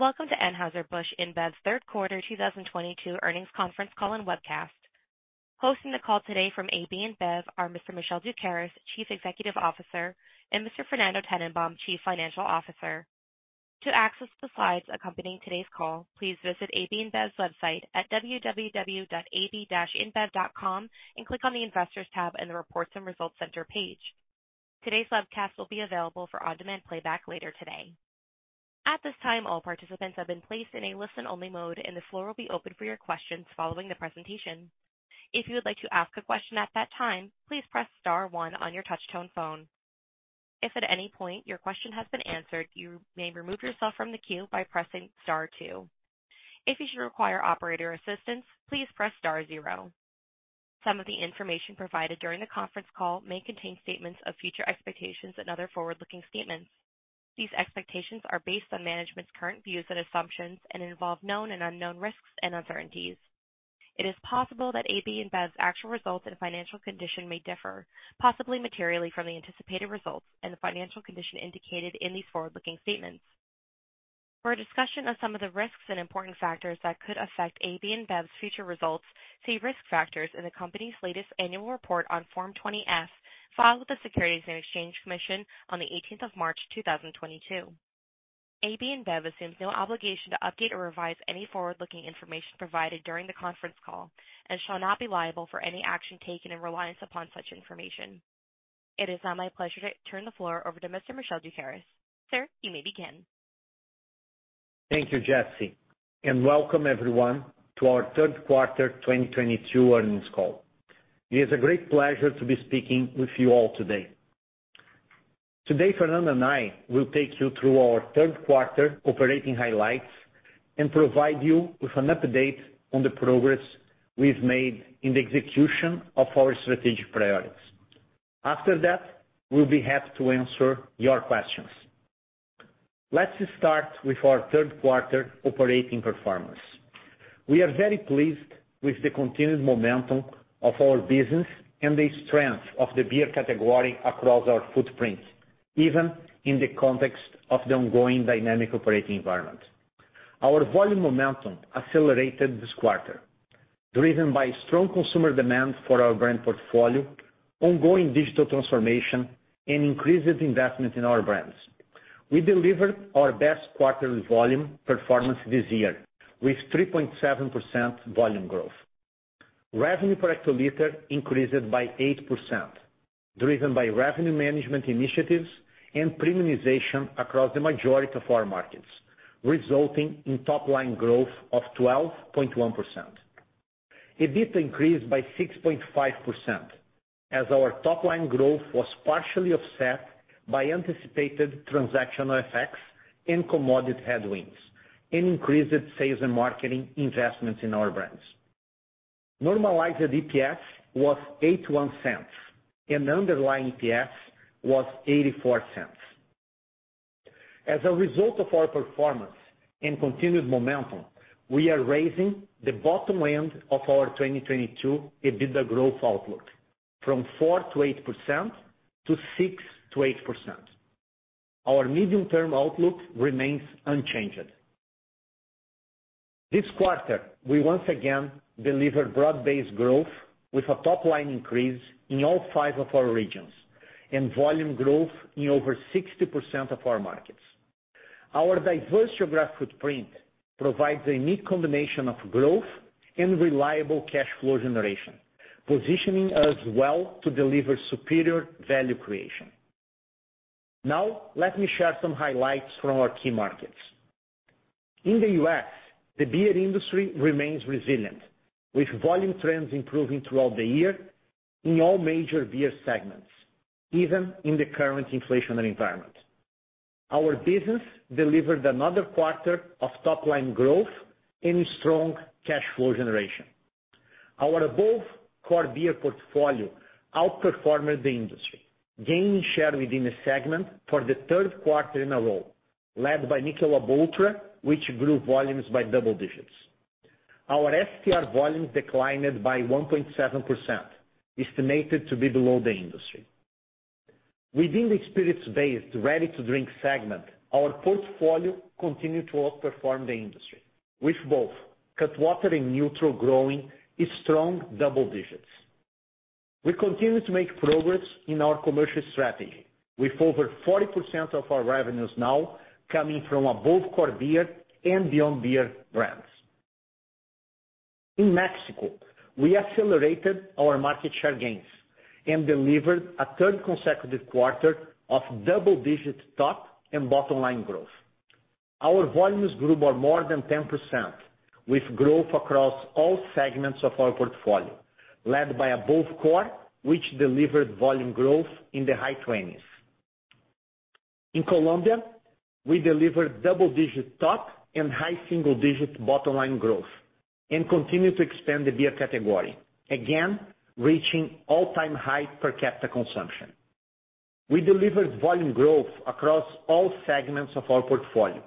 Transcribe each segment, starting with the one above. Welcome to Anheuser-Busch InBev's third quarter 2022 earnings conference call and webcast. Hosting the call today from AB InBev are Mr. Michel Doukeris, Chief Executive Officer, and Mr. Fernando Tennenbaum, Chief Financial Officer. To access the slides accompanying today's call, please visit AB InBev's website at www.ab-inbev.com and click on the Investors tab in the Reports and Results Center page. Today's webcast will be available for on-demand playback later today. At this time, all participants have been placed in a listen-only mode, and the floor will be open for your questions following the presentation. If you would like to ask a question at that time, please press star one on your touch-tone phone. If at any point your question has been answered, you may remove yourself from the queue by pressing star two. If you should require operator assistance, please press star zero. Some of the information provided during the conference call may contain statements of future expectations and other forward-looking statements. These expectations are based on management's current views and assumptions and involve known and unknown risks and uncertainties. It is possible that AB InBev's actual results and financial condition may differ, possibly materially from the anticipated results and the financial condition indicated in these forward-looking statements. For a discussion of some of the risks and important factors that could affect AB InBev's future results, see Risk Factors in the company's latest annual report on Form 20-F, filed with the Securities and Exchange Commission on the 18th of March 2022. AB InBev assumes no obligation to update or revise any forward-looking information provided during the conference call and shall not be liable for any action taken in reliance upon such information. It is now my pleasure to turn the floor over to Mr. Michel Doukeris. Sir, you may begin. Thank you, Jesse, and welcome everyone to our third quarter 2022 earnings call. It is a great pleasure to be speaking with you all today. Today, Fernando and I will take you through our third quarter operating highlights and provide you with an update on the progress we've made in the execution of our strategic priorities. After that, we'll be happy to answer your questions. Let's start with our third quarter operating performance. We are very pleased with the continued momentum of our business and the strength of the beer category across our footprint, even in the context of the ongoing dynamic operating environment. Our volume momentum accelerated this quarter, driven by strong consumer demand for our brand portfolio, ongoing digital transformation, and increased investment in our brands. We delivered our best quarterly volume performance this year with 3.7% volume growth. Revenue per hectoliter increased by 8%, driven by revenue management initiatives and premiumization across the majority of our markets, resulting in top-line growth of 12.1%. EBIT increased by 6.5%, as our top-line growth was partially offset by anticipated transactional effects and commodity headwinds and increased sales and marketing investments in our brands. Normalized EPS was $0.81 and underlying EPS was $0.84. As a result of our performance and continued momentum, we are raising the bottom end of our 2022 EBITDA growth outlook from 4%-8% to 6%-8%. Our medium-term outlook remains unchanged. This quarter, we once again delivered broad-based growth with a top-line increase in all five of our regions and volume growth in over 60% of our markets. Our diverse geographic footprint provides a unique combination of growth and reliable cash flow generation, positioning us well to deliver superior value creation. Now, let me share some highlights from our key markets. In the U.S., the beer industry remains resilient, with volume trends improving throughout the year in all major beer segments, even in the current inflationary environment. Our business delivered another quarter of top line growth and strong cash flow generation. Our Above Core beer portfolio outperformed the industry, gaining share within the segment for the third quarter in a row, led by Michelob ULTRA, which grew volumes by double digits. Our SPR volumes declined by 1.7%, estimated to be below the industry. Within the spirits-based ready-to-drink segment, our portfolio continued to outperform the industry, with both Cutwater and NÜTRL growing a strong double digits. We continue to make progress in our commercial strategy, with over 40% of our revenues now coming from Above Core beer and Beyond Beer brands. In Mexico, we accelerated our market share gains and delivered a third consecutive quarter of double-digit top and bottom line growth. Our volumes grew by more than 10%, with growth across all segments of our portfolio, led by Above Core, which delivered volume growth in the high 20s. In Colombia, we delivered double-digit top and high single-digit bottom line growth and continued to expand the beer category, again, reaching all-time high per capita consumption. We delivered volume growth across all segments of our portfolio,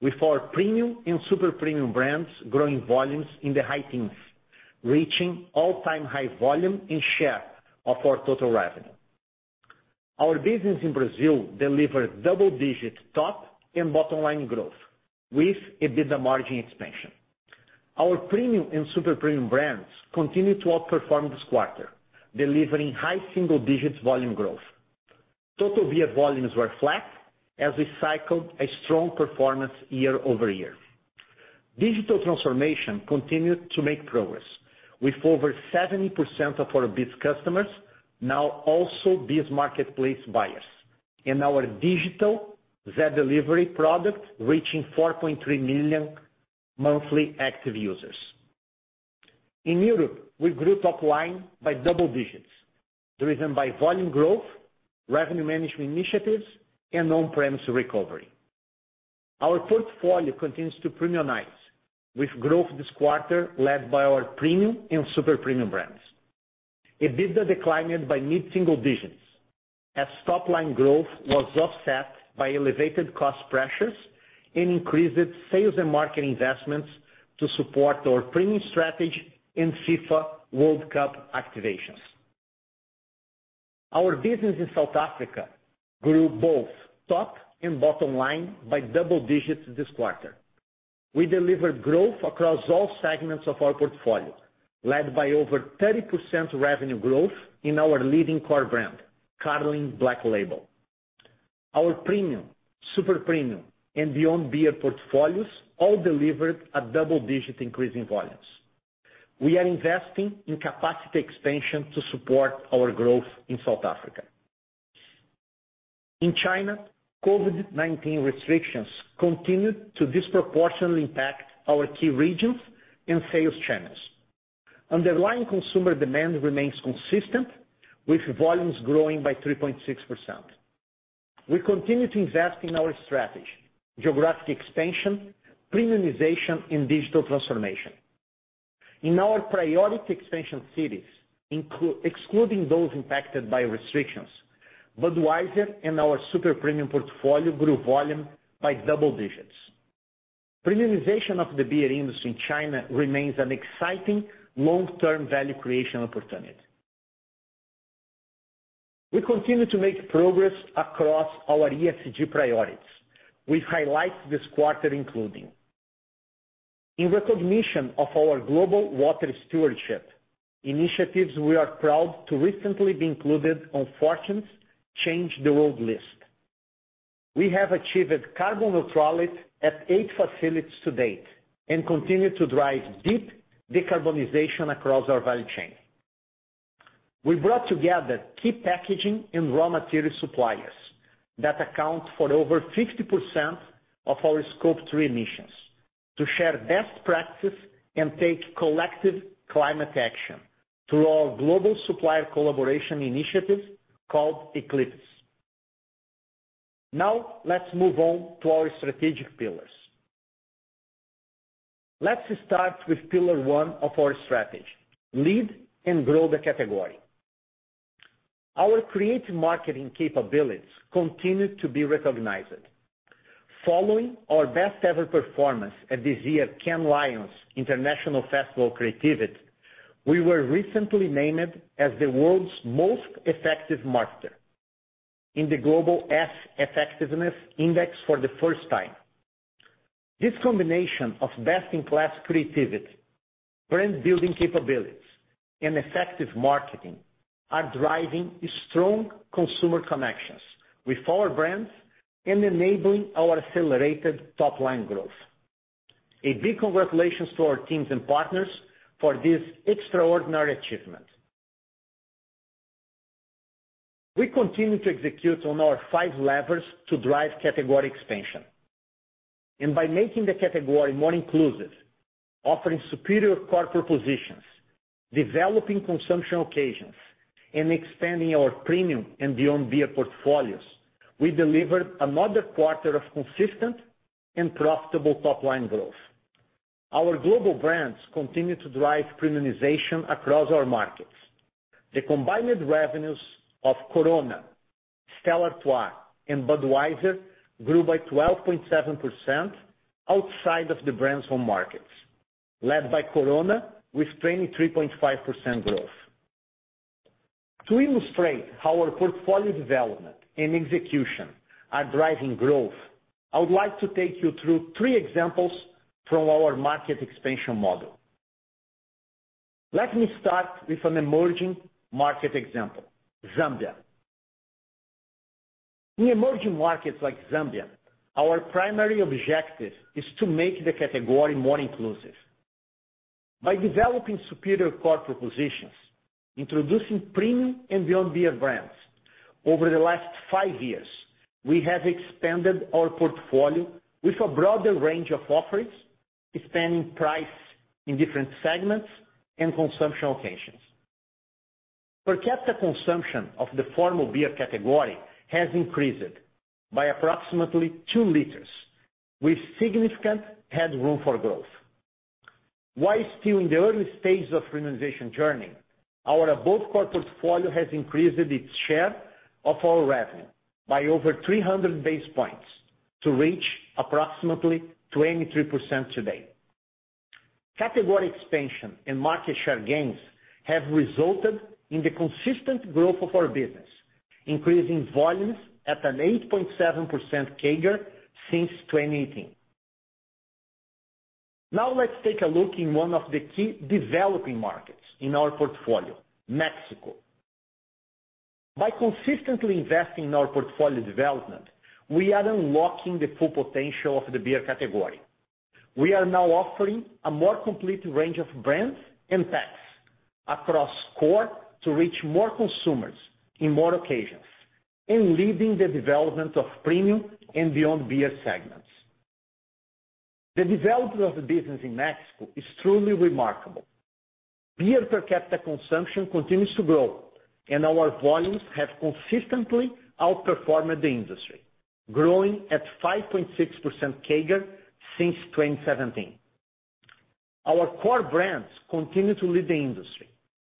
with our premium and super premium brands growing volumes in the high teens, reaching all-time high volume and share of our total revenue. Our business in Brazil delivered double-digit top and bottom line growth with EBITDA margin expansion. Our premium and super premium brands continued to outperform this quarter, delivering high single digits volume growth. Total beer volumes were flat as we cycled a strong performance year-over-year. Digital transformation continued to make progress with over 70% of our BEES customers now also BEES Marketplace buyers. Our digital Zé Delivery product reaching 4.3 million monthly active users. In Europe, we grew top line by double digits, driven by volume growth, revenue management initiatives, and on-premise recovery. Our portfolio continues to premiumize with growth this quarter led by our premium and super premium brands. EBITDA declined by mid-single digits as top line growth was offset by elevated cost pressures and increased sales and marketing investments to support our premium strategy in FIFA World Cup activations. Our business in South Africa grew both top and bottom line by double digits this quarter. We delivered growth across all segments of our portfolio, led by over 30% revenue growth in our leading core brand, Carling Black Label. Our premium, super premium, and beyond beer portfolios all delivered a double-digit increase in volumes. We are investing in capacity expansion to support our growth in South Africa. In China, COVID-19 restrictions continued to disproportionately impact our key regions and sales channels. Underlying consumer demand remains consistent, with volumes growing by 3.6%. We continue to invest in our strategy, geographic expansion, premiumization, and digital transformation. In our priority expansion cities, excluding those impacted by restrictions, Budweiser and our super premium portfolio grew volume by double digits. Premiumization of the beer industry in China remains an exciting long-term value creation opportunity. We continue to make progress across our ESG priorities. We highlight this quarter, including in recognition of our global water stewardship initiatives, we are proud to recently be included on Fortune's Change the World list. We have achieved carbon neutrality at eight facilities to date and continue to drive deep decarbonization across our value chain. We brought together key packaging and raw material suppliers that account for over 50% of our Scope 3 emissions to share best practices and take collective climate action through our global supplier collaboration initiative called Eclipse. Now let's move on to our strategic pillars. Let's start with pillar one of our strategy, lead and grow the category. Our creative marketing capabilities continue to be recognized. Following our best ever performance at this year's Cannes Lions International Festival of Creativity, we were recently named as the world's most effective marketer in the Global Effie Effectiveness Index for the first time. This combination of best-in-class creativity, brand building capabilities, and effective marketing are driving strong consumer connections with our brands and enabling our accelerated top-line growth. A big congratulations to our teams and partners for this extraordinary achievement. We continue to execute on our five levers to drive category expansion. By making the category more inclusive, offering superior core propositions, developing consumption occasions, and expanding our premium and beyond beer portfolios, we delivered another quarter of consistent and profitable top-line growth. Our global brands continue to drive premiumization across our markets. The combined revenues of Corona, Stella Artois, and Budweiser grew by 12.7% outside of the brand's home markets, led by Corona with 23.5% growth. To illustrate how our portfolio development and execution are driving growth, I would like to take you through three examples from our market expansion model. Let me start with an emerging market example, Zambia. In emerging markets like Zambia, our primary objective is to make the category more inclusive. By developing superior core propositions, introducing premium and beyond beer brands, over the last five years, we have expanded our portfolio with a broader range of offerings, expanding price in different segments and consumption occasions. Per capita consumption of the formal beer category has increased by approximately two liters, with significant headroom for growth. While still in the early stages of premiumization journey, our above core portfolio has increased its share of our revenue by over 300 basis points to reach approximately 23% today. Category expansion and market share gains have resulted in the consistent growth of our business, increasing volumes at an 8.7% CAGR since 2018. Now let's take a look in one of the key developing markets in our portfolio, Mexico. By consistently investing in our portfolio development, we are unlocking the full potential of the beer category. We are now offering a more complete range of brands and packs across core to reach more consumers in more occasions and leading the development of premium and beyond beer segments. The development of the business in Mexico is truly remarkable. Beer per capita consumption continues to grow, and our volumes have consistently outperformed the industry, growing at 5.6% CAGR since 2017. Our core brands continue to lead the industry,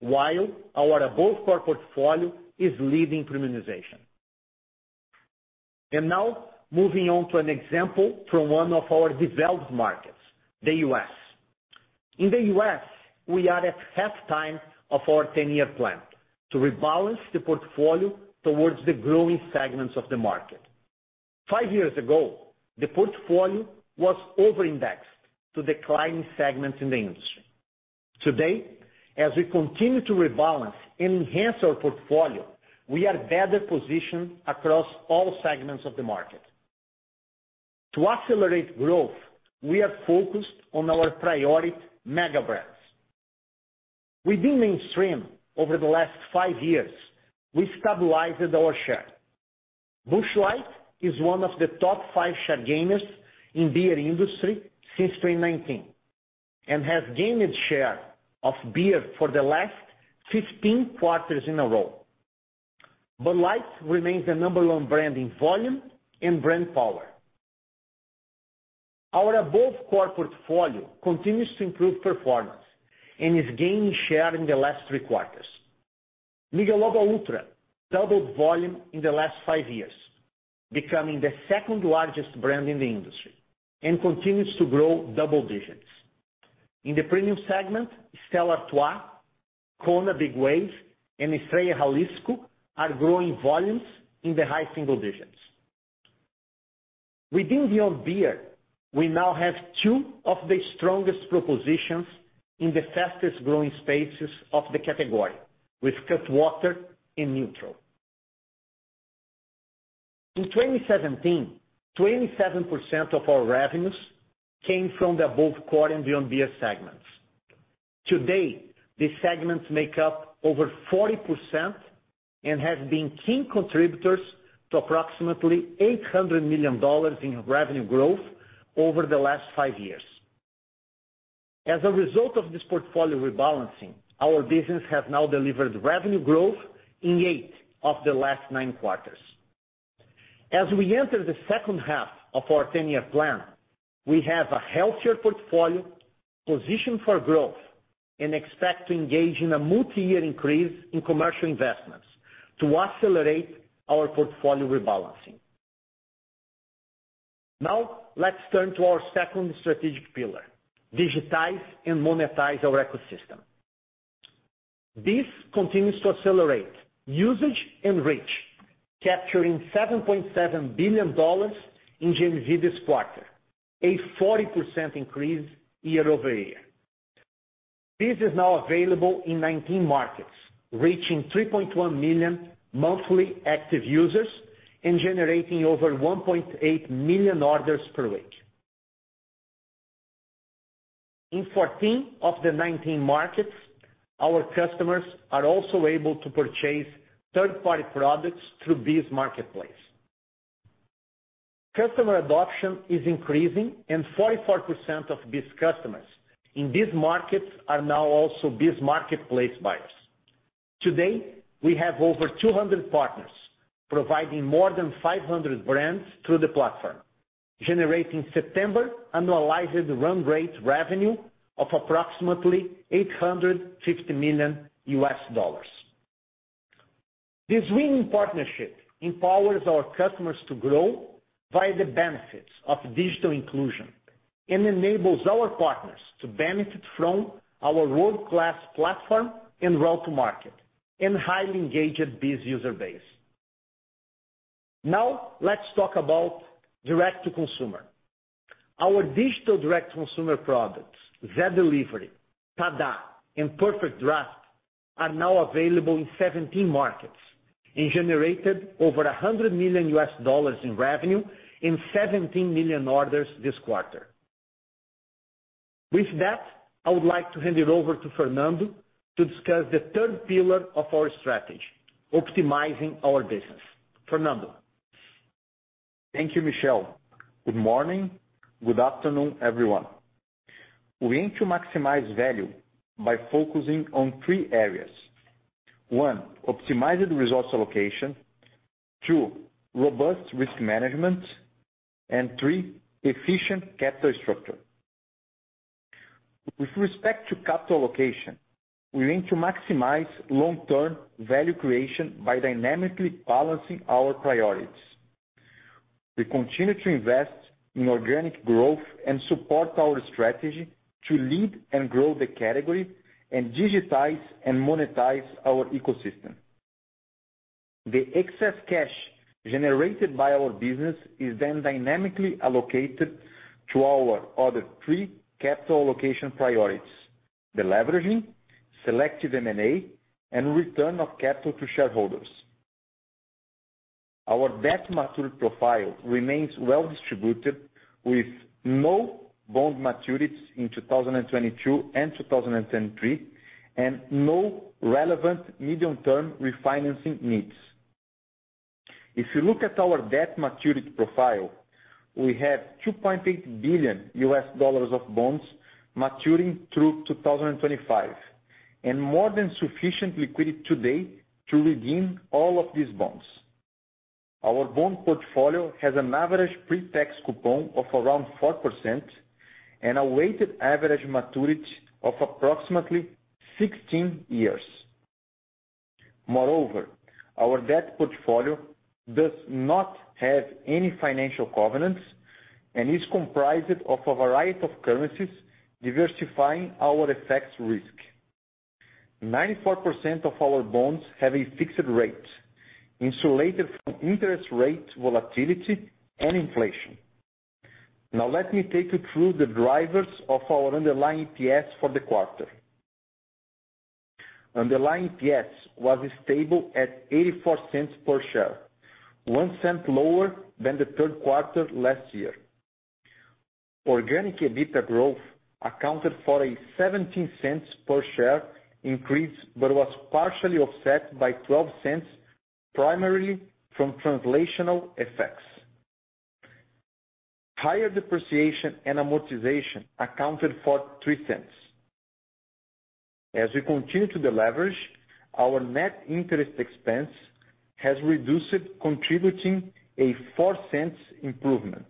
while our above core portfolio is leading premiumization. Now moving on to an example from one of our developed markets, the U.S.. In the U.S., we are at halftime of our 10-year plan to rebalance the portfolio towards the growing segments of the market. Five years ago, the portfolio was over-indexed to declining segments in the industry. Today, as we continue to rebalance and enhance our portfolio, we are better positioned across all segments of the market. To accelerate growth, we are focused on our priority mega brands. Within mainstream over the last five years, we stabilized our share. Busch Light is one of the top five share gainers in beer industry since 2019 and has gained share of beer for the last 15 quarters in a row. Bud Light remains the number one brand in volume and brand power. Our above core portfolio continues to improve performance and is gaining share in the last three quarters. Michelob ULTRA doubled volume in the last five years, becoming the second-largest brand in the industry and continues to grow double digits. In the premium segment, Stella Artois, Kona Big Wave, and Estrella Jalisco are growing volumes in the high single digits. Within beyond beer, we now have two of the strongest propositions in the fastest-growing spaces of the category with Cutwater and NÜTRL. In 2017, 27% of our revenues came from the above core and beyond beer segments. Today, these segments make up over 40% and have been key contributors to approximately $800 million in revenue growth over the last five years. As a result of this portfolio rebalancing, our business has now delivered revenue growth in eight of the last nine quarters. As we enter the second half of our ten-year plan, we have a healthier portfolio positioned for growth and expect to engage in a multi-year increase in commercial investments to accelerate our portfolio rebalancing. Now let's turn to our second strategic pillar, digitize and monetize our ecosystem. This continues to accelerate usage and reach, capturing $7.7 billion in GMV this quarter, a 40% increase year-over-year. This is now available in 19 markets, reaching 3.1 million monthly active users and generating over 1.8 million orders per week. In 14 of the 19 markets, our customers are also able to purchase third-party products through BEES Marketplace. Customer adoption is increasing, and 44% of BEES customers in these markets are now also BEES Marketplace buyers. Today, we have over 200 partners providing more than 500 brands through the platform, generating September annualized run rate revenue of approximately $850 million. This winning partnership empowers our customers to grow via the benefits of digital inclusion and enables our partners to benefit from our world-class platform and route to market and highly engaged BEES user base. Now let's talk about direct-to-consumer. Our digital direct-to-consumer products, Zé Delivery, TaDa Delivery, and PerfectDraft, are now available in 17 markets and generated over $100 million in revenue in 17 million orders this quarter. With that, I would like to hand it over to Fernando to discuss the third pillar of our strategy, optimizing our business. Fernando. Thank you, Michel. Good morning. Good afternoon, everyone. We aim to maximize value by focusing on three areas. One, optimized resource allocation. Two, robust risk management. And three, efficient capital structure. With respect to capital allocation, we aim to maximize long-term value creation by dynamically balancing our priorities. We continue to invest in organic growth and support our strategy to lead and grow the category and digitize and monetize our ecosystem. The excess cash generated by our business is then dynamically allocated to our other three capital allocation priorities, deleveraging, selective M&A, and return of capital to shareholders. Our debt maturity profile remains well distributed, with no bond maturities in 2022 and 2023 and no relevant medium-term refinancing needs. If you look at our debt maturity profile, we have $2.8 billion of bonds maturing through 2025 and more than sufficient liquidity today to redeem all of these bonds. Our bond portfolio has an average pre-tax coupon of around 4% and a weighted average maturity of approximately 16 years. Moreover, our debt portfolio does not have any financial covenants and is comprised of a variety of currencies diversifying our FX risk. 94% of our bonds have a fixed rate insulated from interest rate volatility and inflation. Now let me take you through the drivers of our underlying EPS for the quarter. Underlying EPS was stable at $0.84 per share, $0.01 lower than the third quarter last year. Organic EBITDA growth accounted for a $0.17 per share increase, but was partially offset by $0.12, primarily from translational effects. Higher depreciation and amortization accounted for $0.03. As we continue to deleverage, our net interest expense has reduced, contributing a $0.04 improvement.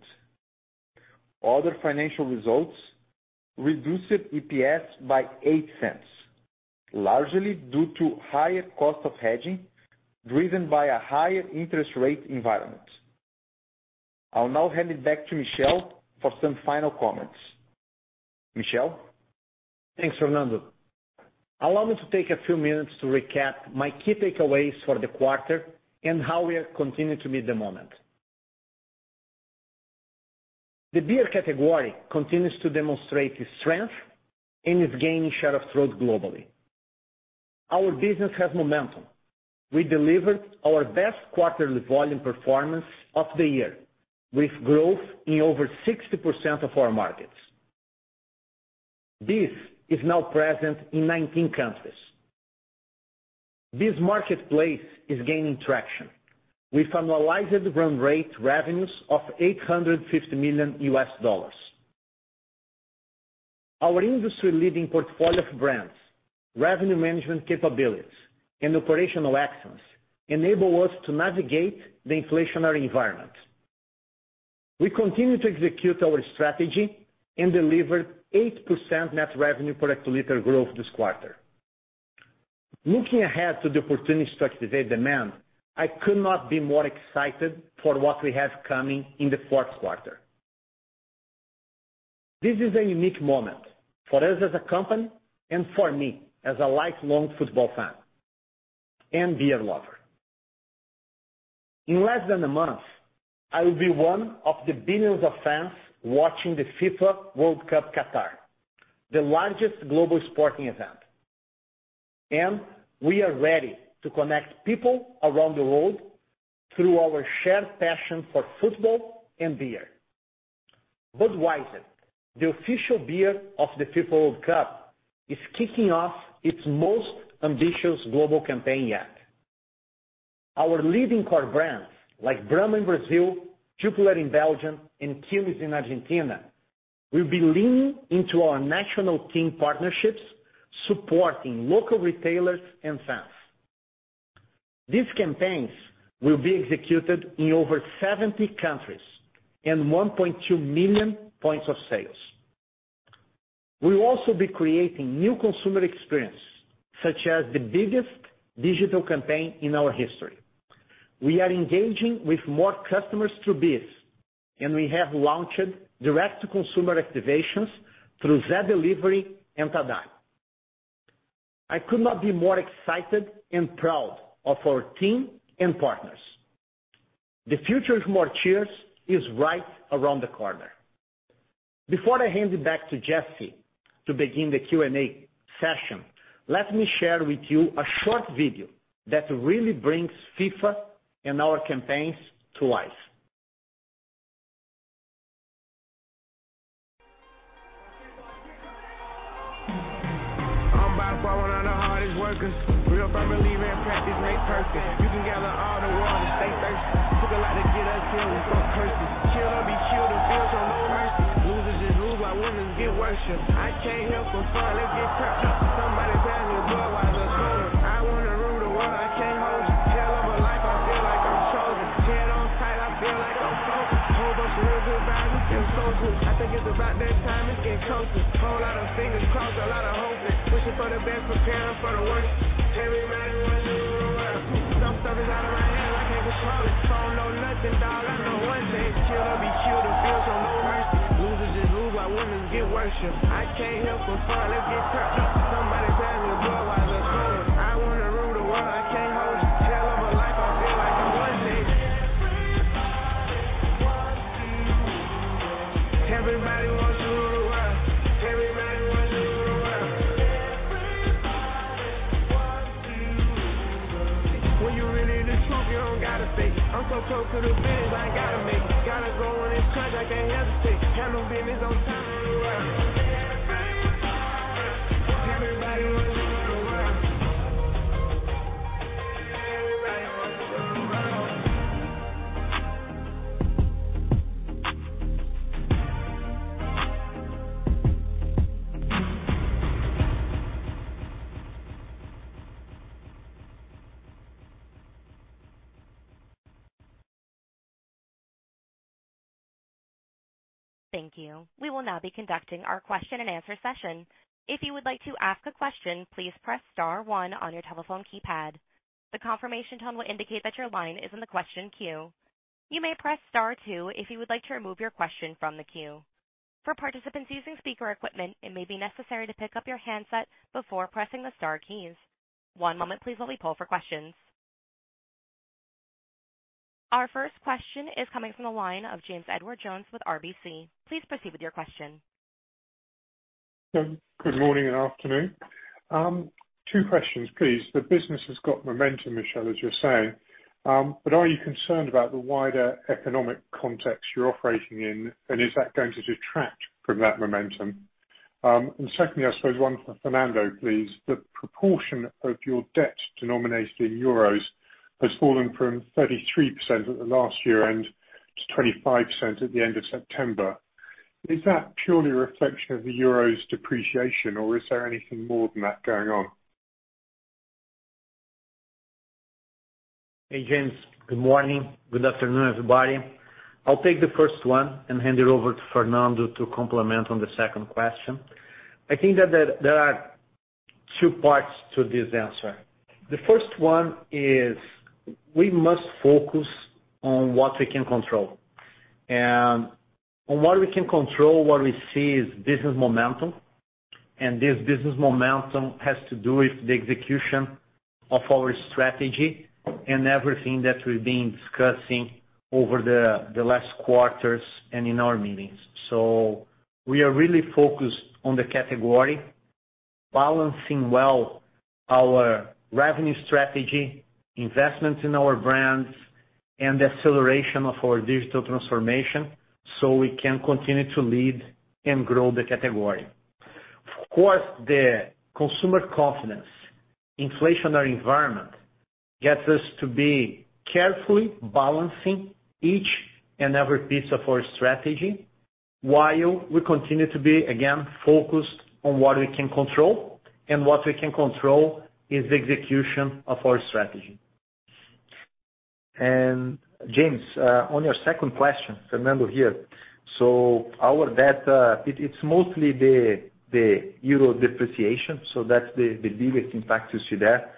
Other financial results reduced EPS by $0.08, largely due to higher cost of hedging, driven by a higher interest rate environment. I'll now hand it back to Michel for some final comments. Michel? Thanks, Fernando. Allow me to take a few minutes to recap my key takeaways for the quarter and how we are continuing to meet the moment. The beer category continues to demonstrate its strength and is gaining share of throat globally. Our business has momentum. We delivered our best quarterly volume performance of the year, with growth in over 60% of our markets. BEES is now present in 19 countries. This marketplace is gaining traction with annualized run rate revenues of $850 million. Our industry-leading portfolio of brands, revenue management capabilities, and operational actions enable us to navigate the inflationary environment. We continue to execute our strategy and deliver 8% net revenue per hectoliter growth this quarter. Looking ahead to the opportunity to activate demand, I could not be more excited for what we have coming in the fourth quarter. This is a unique moment for us as a company and for me as a lifelong football fan and beer lover. In less than a month, I will be one of the billions of fans watching the FIFA World Cup, Qatar, the largest global sporting event, and we are ready to connect people around the world through our shared passion for football and beer. Budweiser, the official beer of the FIFA World Cup, is kicking off its most ambitious global campaign yet. Our leading core brands like Brahma in Brazil, Jupiler in Belgium, and Quilmes in Argentina will be leaning into our national team partnerships, supporting local retailers and fans. These campaigns will be executed in over 70 countries and 1.2 million points of sales. We will also be creating new consumer experience, such as the biggest digital campaign in our history. We are engaging with more customers through BEES, and we have launched direct-to-consumer activations through Zé Delivery and TaDa Delivery. I could not be more excited and proud of our team and partners. The future is more cheers is right around the corner. Before I hand it back to Jesse to begin the Q&A session, let me share with you a short video that really brings FIFA and our campaigns to life. I'm about to follow one of the hardest workers. Real family man, practice make perfect. You can gather all the world and stay thirsty. Took a lot to get us here, we come cursed. Kill or be killed, the streets show no mercy. Losers just lose, while winners get worshiped. I came here for fun, let's get turnt up. Somebody pass the Budweiser. I wanna rule the world, I can't hold it. Head over life, I feel like I'm chosen. Head on tight, I feel like I'm focused. Move a bunch of lizards by we stay focused. I think it's about that time, let's get toasted. Thank you. We will now be conducting our question and answer session. If you would like to ask a question, please press star one on your telephone keypad. The confirmation tone will indicate that your line is in the question queue. You may press star two if you would like to remove your question from the queue. For participants using speaker equipment, it may be necessary to pick up your handset before pressing the star keys. One moment please while we poll for questions. Our first question is coming from the line of James Edwardes Jones with RBC. Please proceed with your question. Good morning and afternoon. Two questions, please. The business has got momentum, Michel, as you're saying, but are you concerned about the wider economic context you're operating in, and is that going to detract from that momentum? Secondly, I suppose one for Fernando, please. The proportion of your debt denominated in euros has fallen from 33% at the last year end to 25% at the end of September. Is that purely a reflection of the euro's depreciation, or is there anything more than that going on? Hey, James. Good morning. Good afternoon, everybody. I'll take the first one and hand it over to Fernando to comment on the second question. I think that there are two parts to this answer. The first one is we must focus on what we can control. On what we can control, what we see is business momentum. This business momentum has to do with the execution of our strategy and everything that we've been discussing over the last quarters and in our meetings. We are really focused on the category, balancing well our revenue strategy, investment in our brands and the acceleration of our digital transformation, so we can continue to lead and grow the category. Of course, the consumer confidence inflationary environment gets us to be carefully balancing each and every piece of our strategy while we continue to be, again, focused on what we can control. What we can control is the execution of our strategy. James, on your second question, Fernando here. Our data, it's mostly the euro depreciation, that's the biggest impact you see there.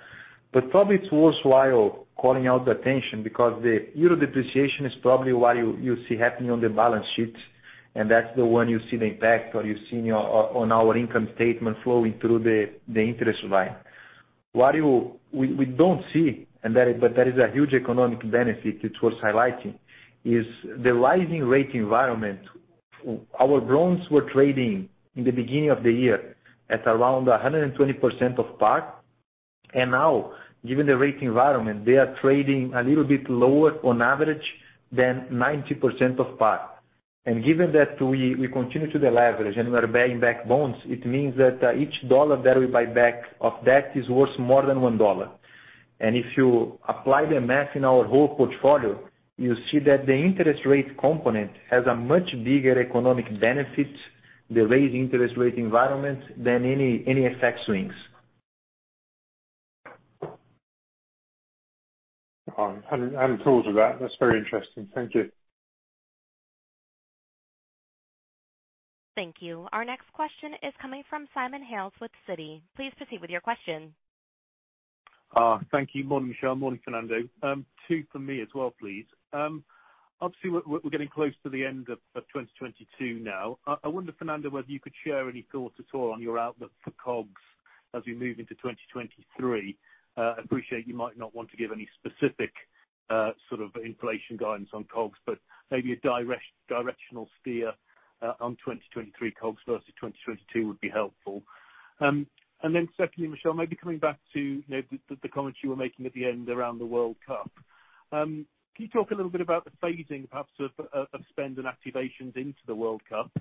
But probably it's worthwhile calling attention to the euro depreciation because the euro depreciation is probably what you see happening on the balance sheet, and that's the one you're seeing on our income statement flowing through the interest line. What we don't see, but that is a huge economic benefit it's worth highlighting, is the rising rate environment. Our bonds were trading in the beginning of the year at around 120% of par, and now given the rate environment, they are trading a little bit lower on average than 90% of par. Given that we continue to deleverage and we are buying back bonds, it means that each dollar that we buy back of debt is worth more than $1. If you apply the math in our whole portfolio, you see that the interest rate component has a much bigger economic benefit, the rising interest rate environment, than any FX swings. All right. I hadn't thought of that. That's very interesting. Thank you. Thank you. Our next question is coming from Simon Hales with Citi. Please proceed with your question. Thank you. Morning, Michel. Morning, Fernando. Two for me as well, please. Obviously we're getting close to the end of 2022 now. I wonder, Fernando, whether you could share any thoughts at all on your outlook for COGS as we move into 2023. Appreciate you might not want to give any specific sort of inflation guidance on COGS, but maybe a directional steer on 2023 COGS versus 2022 would be helpful. Secondly, Michel, maybe coming back to, you know, the comments you were making at the end around the World Cup. Can you talk a little bit about the phasing perhaps of spend and activations into the World Cup?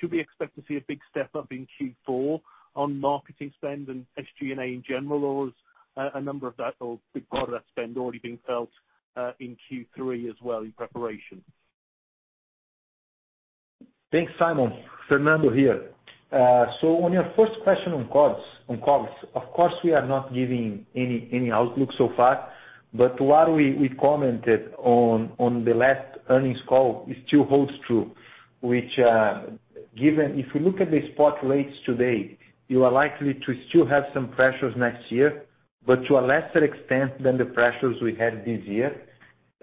Should we expect to see a big step-up in Q4 on marketing spend and SG&A in general or is a number of that or big part of that spend already being felt in Q3 as well in preparation? Thanks, Simon. Fernando here. On your first question on COGS, of course, we are not giving any outlook so far. What we commented on the last earnings call still holds true, which, given if you look at the spot rates today, you are likely to still have some pressures next year, but to a lesser extent than the pressures we had this year.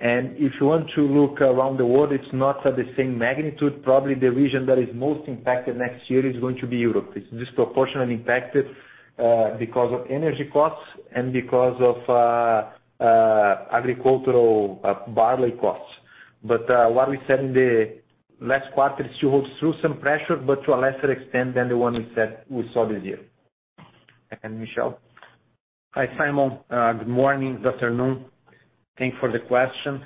If you want to look around the world, it's not at the same magnitude. Probably the region that is most impacted next year is going to be Europe. It's disproportionately impacted because of energy costs and because of agricultural barley costs. What we said in the last quarter still holds true, some pressure, but to a lesser extent than the one we said we saw this year. Michel. Hi, Simon. Good morning, good afternoon. Thank you for the question.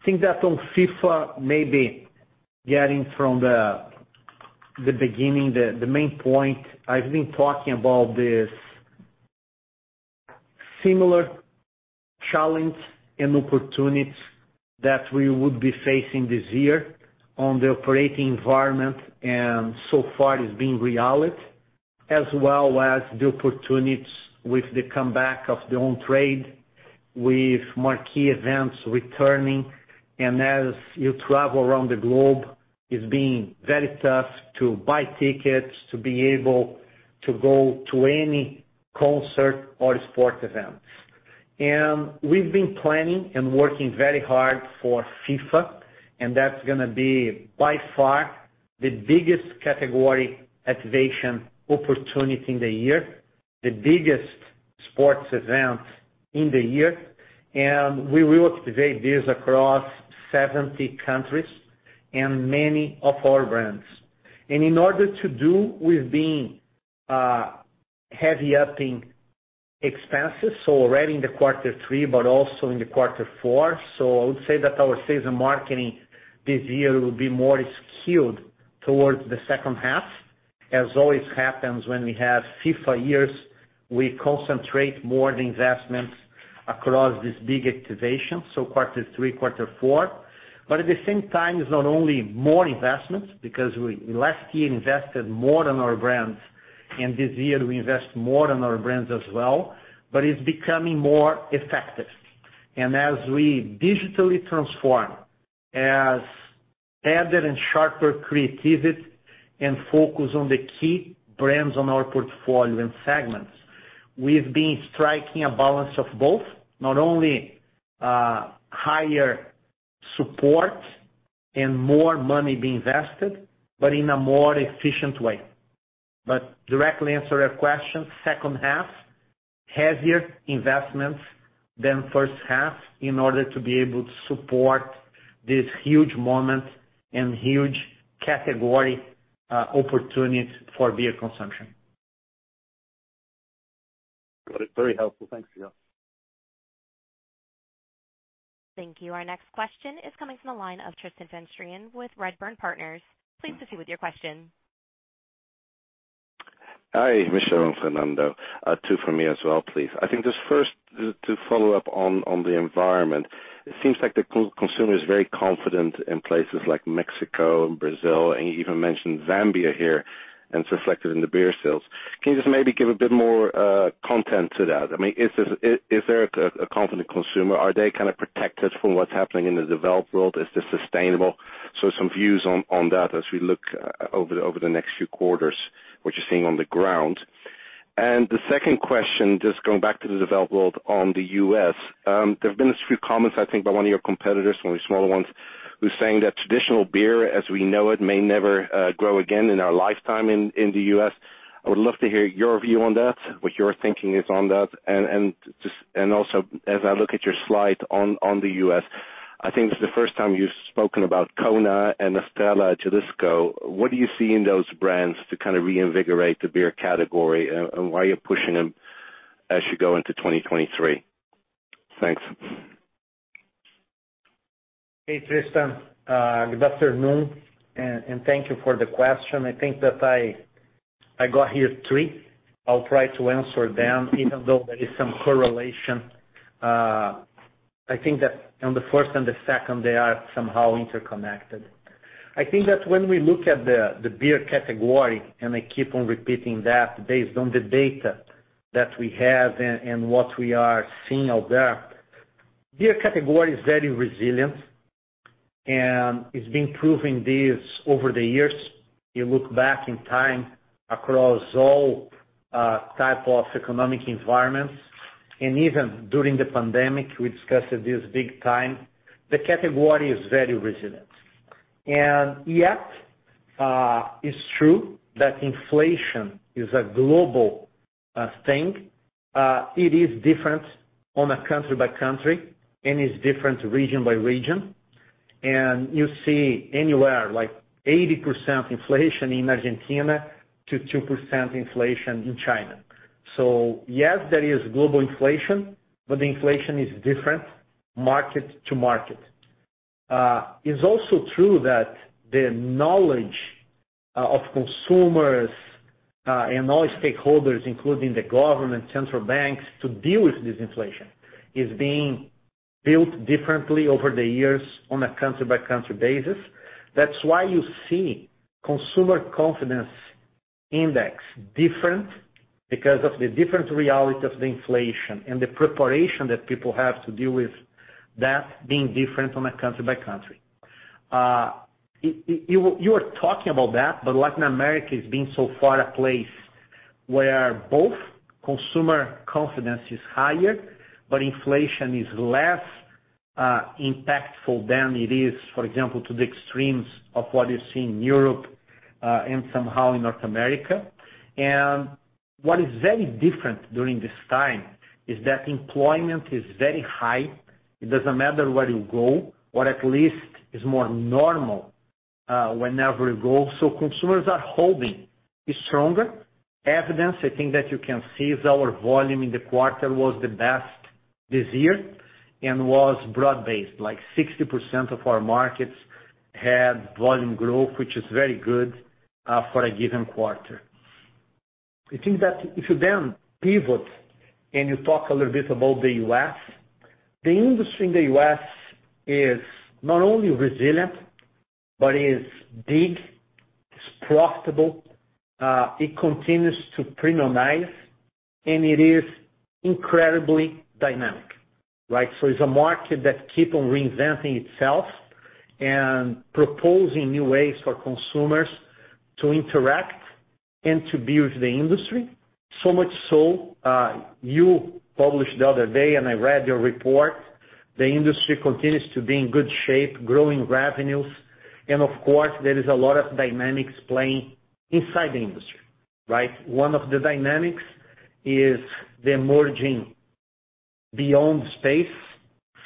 I think that on FIFA maybe getting from the beginning the main point. I've been talking about this similar challenge and opportunities that we would be facing this year on the operating environment, and so far it's been reality, as well as the opportunities with the comeback of the on-trade, with marquee events returning. As you travel around the globe, it's been very tough to buy tickets, to be able to go to any concert or sports event. We've been planning and working very hard for FIFA, and that's gonna be by far the biggest category activation opportunity in the year, the biggest sports event in the year. We will activate this across 70 countries and many of our brands. In order to do, we've been heavy upping expenses, so already in quarter three, but also in quarter four. I would say that our sales and marketing this year will be more skewed towards the second half, as always happens when we have FIFA years. We concentrate more the investments across this big activation, so quarter three, quarter four. At the same time, it's not only more investments because last year invested more on our brands, and this year we invest more on our brands as well, but it's becoming more effective. As we digitally transform, with added and sharper creativity and focus on the key brands on our portfolio and segments, we've been striking a balance of both, not only higher support and more money being invested, but in a more efficient way. Directly answer your question, second half, heavier investments than first half in order to be able to support this huge moment and huge category, opportunity for beer consumption. Got it. Very helpful. Thanks, Michel. Thank you. Our next question is coming from the line of Tristan van Strien with Redburn Partners. Please proceed with your question. Hi, Michel and Fernando. Two for me as well, please. I think just first to follow up on the environment, it seems like the consumer is very confident in places like Mexico and Brazil, and you even mentioned Zambia here, and it's reflected in the beer sales. Can you just maybe give a bit more context to that? I mean, is this a confident consumer? Are they kinda protected from what's happening in the developed world? Is this sustainable? Some views on that as we look over the next few quarters, what you're seeing on the ground. Second question, just going back to the developed world on the U.S., there have been a few comments, I think, by one of your competitors, one of the smaller ones, who's saying that traditional beer as we know it may never grow again in our lifetime in the U.S.. I would love to hear your view on that, what your thinking is on that. Also, as I look at your slide on the U.S., I think it's the first time you've spoken about Kona and Estrella Jalisco to this scope. What do you see in those brands to kind of reinvigorate the beer category, and why are you pushing them as you go into 2023? Thanks. Hey, Tristan Good afternoon, and thank you for the question. I think that I got here three. I'll try to answer them, even though there is some correlation. I think that on the first and the second, they are somehow interconnected. I think that when we look at the beer category, and I keep on repeating that based on the data that we have and what we are seeing out there, beer category is very resilient, and it's been proving this over the years. You look back in time across all type of economic environments, and even during the pandemic, we discussed this big time, the category is very resilient. Yet, it's true that inflation is a global thing. It is different on a country by country, and it's different region by region. You see anywhere like 80% inflation in Argentina to 2% inflation in China. Yes, there is global inflation, but the inflation is different market to market. It's also true that the knowledge of consumers and all stakeholders, including the government, central banks, to deal with this inflation is being built differently over the years on a country by country basis. That's why you see consumer confidence index different because of the different reality of the inflation and the preparation that people have to deal with that being different on a country by country. You are talking about that, but Latin America has been so far a place where both consumer confidence is higher, but inflation is less impactful than it is, for example, to the extremes of what you see in Europe and somehow in North America. What is very different during this time is that employment is very high. It doesn't matter where you go, or at least it's more normal whenever you go. Consumers are holding stronger, evidenced. I think that you can see our volume in the quarter was the best this year and was broad-based, like 60% of our markets had volume growth, which is very good for a given quarter. I think that if you then pivot and you talk a little bit about the U.S., the industry in the U.S. is not only resilient, but is big, it's profitable, it continues to premiumize, and it is incredibly dynamic, right? It's a market that keep on reinventing itself and proposing new ways for consumers to interact and to be with the industry. So much so, you published the other day, and I read your report. The industry continues to be in good shape, growing revenues. Of course, there is a lot of dynamics playing inside the industry, right? One of the dynamics is the emerging beyond-beer space,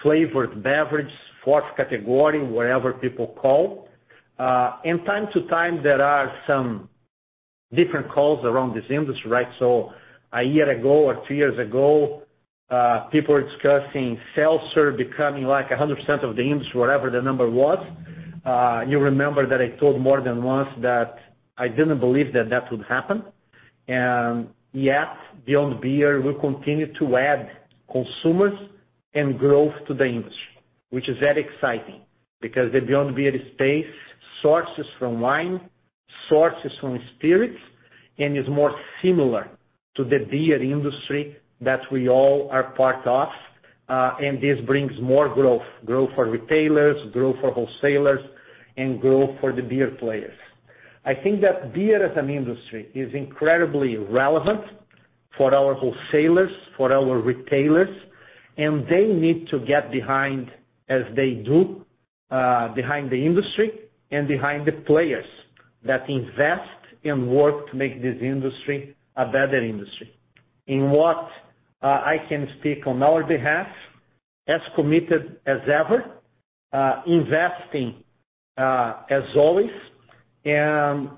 flavored beverage, fourth category, whatever people call. From time to time, there are some different calls around this industry, right? A year ago or two years ago, people were discussing seltzer becoming like 100% of the industry, whatever the number was. You remember that I told more than once that I didn't believe that that would happen. Yet, beyond beer, we continue to add consumers and growth to the industry, which is very exciting because the beyond beer space sources from wine, sources from spirits, and is more similar to the beer industry that we all are part of. This brings more growth for retailers, growth for wholesalers, and growth for the beer players. I think that beer as an industry is incredibly relevant for our wholesalers, for our retailers, and they need to get behind as they do, behind the industry and behind the players that invest and work to make this industry a better industry. In what, I can speak on our behalf, as committed as ever, investing, as always.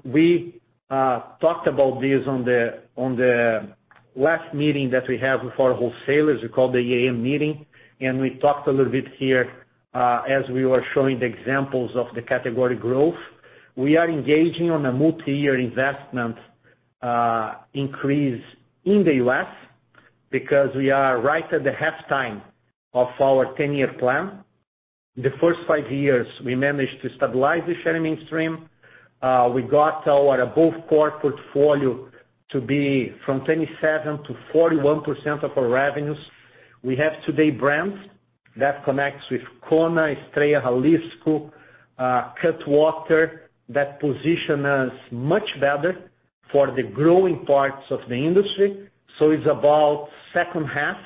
We talked about this on the last meeting that we had with our wholesalers. We call the AM meeting, and we talked a little bit here, as we were showing the examples of the category growth. We are engaging on a multi-year investment, increase in the U.S. because we are right at the halftime of our 10-year plan. The first five years, we managed to stabilize the share in mainstream. We got our above core portfolio to be from 27%-41% of our revenues. We have today brands that connects with Kona, Estrella Jalisco, Cutwater, that position us much better for the growing parts of the industry. It's about second half,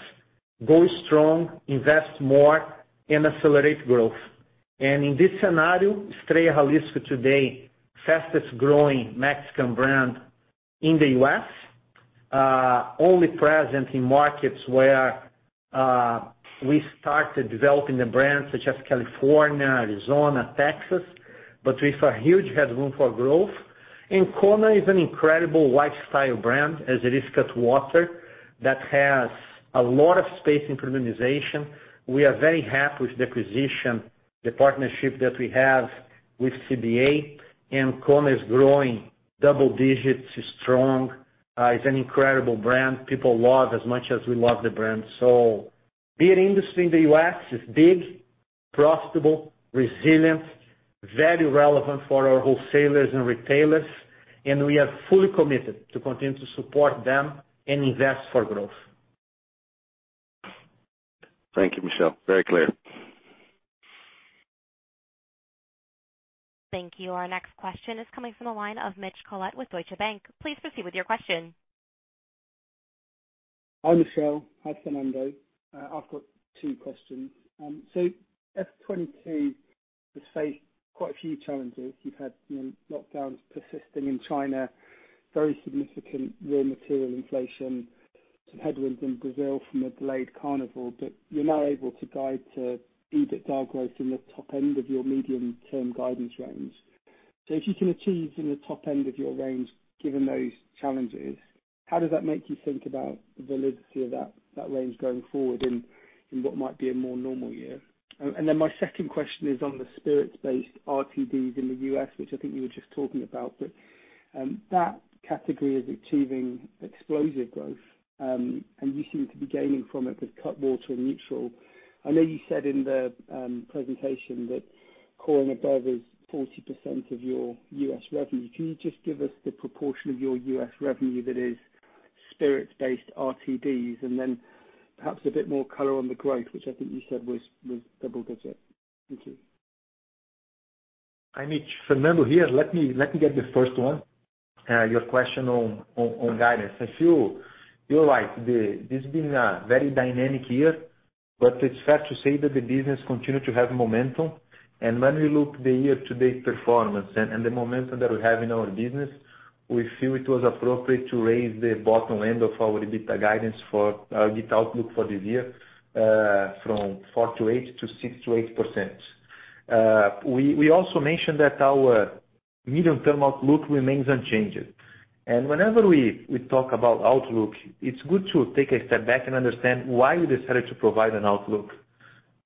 grow strong, invest more and accelerate growth. In this scenario, Estrella Jalisco today, fastest-growing Mexican brand in the U.S., only present in markets where we started developing the brands such as California, Arizona, Texas, but with a huge headroom for growth. Kona is an incredible lifestyle brand, as it is Cutwater, that has a lot of space in premiumization. We are very happy with the acquisition, the partnership that we have with CBA. Kona is growing double digits. It's strong. It's an incredible brand people love as much as we love the brand. Beer industry in the U.S. is big, profitable, resilient, very relevant for our wholesalers and retailers, and we are fully committed to continue to support them and invest for growth. Thank you, Michel. Very clear. Thank you. Our next question is coming from the line of Mitch Collett with Deutsche Bank. Please proceed with your question. Hi, Michel. Hi, Fernando. I've got two questions. FY 2022 has faced quite a few challenges. You've had, you know, lockdowns persisting in China, very significant raw material inflation, some headwinds in Brazil from a delayed carnival, but you're now able to guide to EBITDA growth in the top end of your medium-term guidance range. If you can achieve in the top end of your range, given those challenges, how does that make you think about the validity of that range going forward in what might be a more normal year? And then my second question is on the spirits-based RTDs in the U.S., which I think you were just talking about. That category is achieving explosive growth, and you seem to be gaining from it with Cutwater and NÜTRL. I know you said in the presentation that Corona and above is 40% of your U.S. revenue. Can you just give us the proportion of your U.S. revenue that is spirits-based RTDs? Then perhaps a bit more color on the growth, which I think you said was double digits. Thank you. Hi, Mitch. Fernando here. Let me get the first one. Your question on guidance. I feel you're right. This has been a very dynamic year, but it's fair to say that the business continued to have momentum. When we look at the year-to-date performance and the momentum that we have in our business, we feel it was appropriate to raise the bottom end of our EBITDA guidance for our EBITDA outlook for this year from 4%-8% to 6%-8%. We also mentioned that our medium term outlook remains unchanged. Whenever we talk about outlook, it's good to take a step back and understand why we decided to provide an outlook.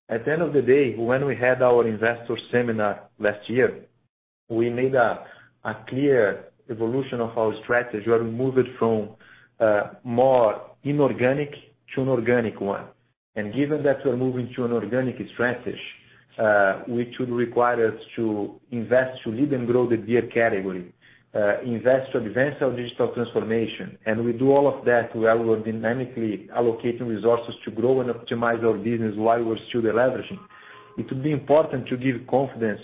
At the end of the day, when we had our investor seminar last year, we made a clear evolution of our strategy. We are moving from more inorganic to an organic one. Given that we're moving to an organic strategy, which would require us to invest to lead and grow the beer category, invest to advance our digital transformation, and we do all of that while we're dynamically allocating resources to grow and optimize our business while we're still leveraging, it would be important to give confidence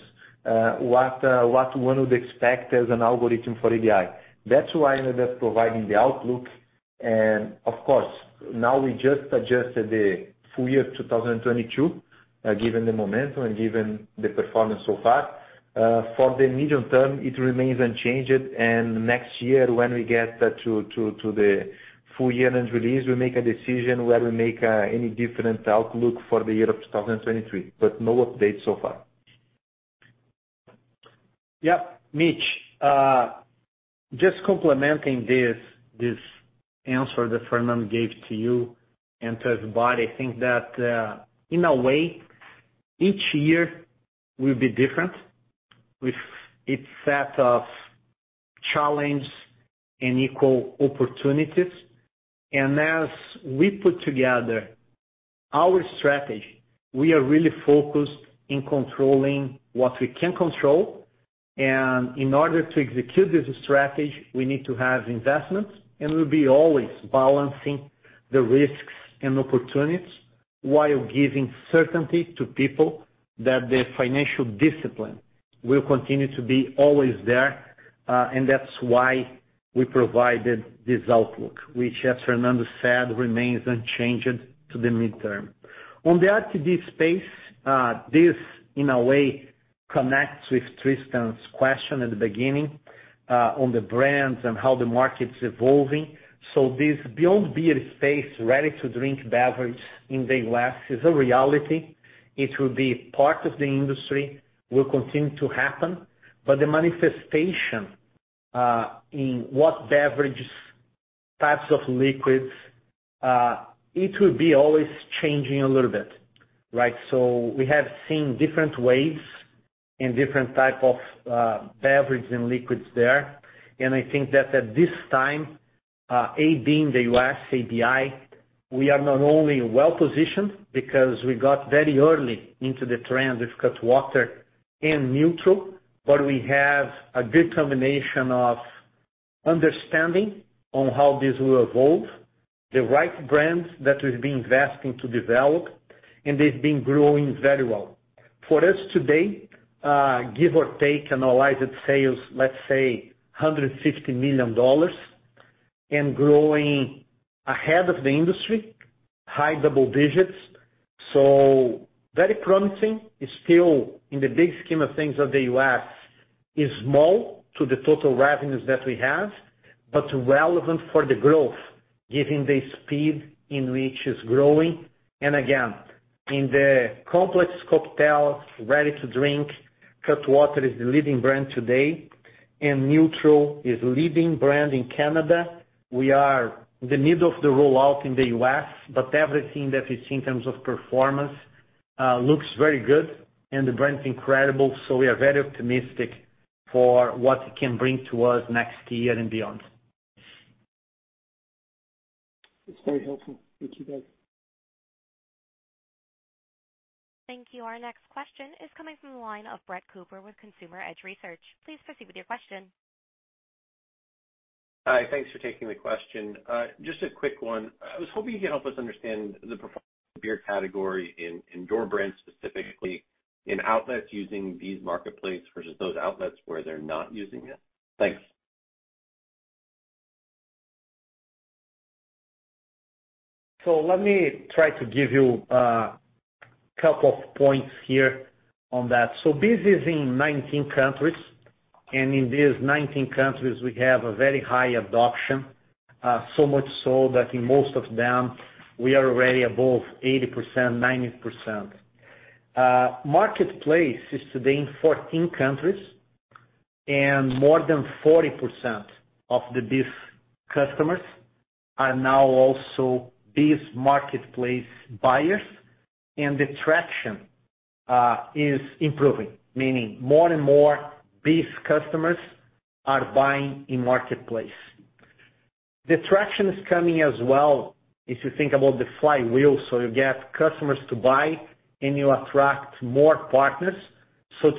what one would expect as an algorithm for ABI. That's why we're just providing the outlook. Of course, now we just adjusted the full year 2022 given the momentum and given the performance so far. For the medium term it remains unchanged. Next year when we get to the full year ends release, we make a decision whether we make any different outlook for the year of 2023. No updates so far. Mitch, just complementing this answer that Fernando gave to you and to everybody, I think that in a way each year will be different with its set of challenges and equal opportunities. As we put together our strategy, we are really focused on controlling what we can control. In order to execute this strategy, we need to have investments, and we'll be always balancing the risks and opportunities while giving certainty to people that the financial discipline will continue to be always there. That's why we provided this outlook, which as Fernando said, remains unchanged to the medium term. On the RTD space, this in a way connects with Tristan's question at the beginning, on the brands and how the market's evolving. This beyond beer space, ready-to-drink beverage in the glass is a reality. It will be part of the industry, will continue to happen, but the manifestation in what beverages, types of liquids, it will be always changing a little bit, right? We have seen different waves and different type of beverage and liquids there. I think that at this time, AB InBev in the U.S., ABI, we are not only well-positioned because we got very early into the trend with Cutwater and NÜTRL, but we have a good combination of understanding on how this will evolve, the right brands that we've been investing to develop, and they've been growing very well. For us today, give or take annualized sales, let's say $150 million and growing ahead of the industry, high double digits. Very promising. It's still in the big scheme of things that the U.S. is small to the total revenues that we have, but relevant for the growth given the speed in which it's growing. Again, in the complex cocktail ready to drink, Cutwater is the leading brand today, and NÜTRL is leading brand in Canada. We are in the middle of the rollout in the U.S., but everything that we've seen in terms of performance looks very good and the brand's incredible, so we are very optimistic for what it can bring to us next year and beyond. It's very helpful. Thank you both. Thank you. Our next question is coming from the line of Brett Cooper with Consumer Edge Research. Please proceed with your question. Hi. Thanks for taking the question. Just a quick one. I was hoping you could help us understand the beer category in core brands, specifically in outlets using BEES Marketplace versus those outlets where they're not using it. Thanks. Let me try to give you a couple of points here on that. This is in 19 countries, and in these 19 countries we have a very high adoption, so much so that in most of them we are already above 80%, 90%. Marketplace is today in 14 countries, and more than 40% of the BEES customers are now also BEES Marketplace buyers. And the traction is improving, meaning more and more BEES customers are buying in Marketplace. The traction is coming as well, if you think about the flywheel. You get customers to buy and you attract more partners.